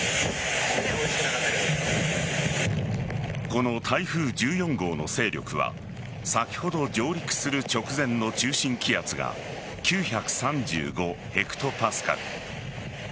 この台風１４号の勢力は先ほど上陸する直前の中心気圧が９３５ヘクトパスカル。